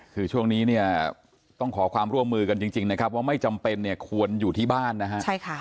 คือช่วงนี้เนี่ยต้องขอความร่วมมือกันจริงนะครับว่าไม่จำเป็นเนี่ยควรอยู่ที่บ้านนะฮะ